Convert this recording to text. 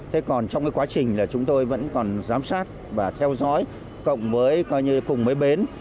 thế còn trong cái quá trình là chúng tôi vẫn còn giám sát và theo dõi cộng với coi như cùng với bến